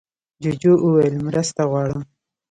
جوجو وویل مرسته غواړم.